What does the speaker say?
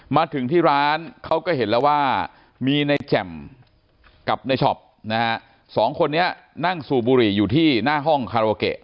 มาถึงที่ร้านเขาก็เห็นแล้วว่ามีในแจ่มกับในช็อปนะฮะสองคนนี้นั่งสูบบุหรี่อยู่ที่หน้าห้องคาราโอเกะ